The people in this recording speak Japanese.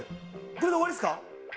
これで終わりですか？